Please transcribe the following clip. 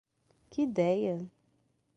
Que ideia!